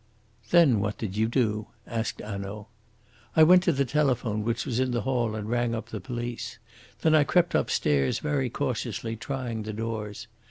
"Then what did you do?" asked Hanaud. "I went to the telephone which was in the hall and rang up the police. Then I crept upstairs very cautiously, trying the doors.